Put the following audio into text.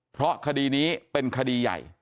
เพราะคดีนี้เป็นคดีใหญ่